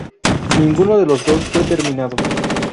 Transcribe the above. Ninguno de los dos fue terminado.